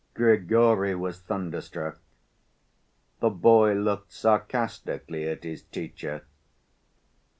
Grigory was thunderstruck. The boy looked sarcastically at his teacher.